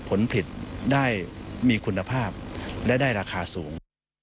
ผลผลิตได้มีคุณภาพและได้ราคาสูง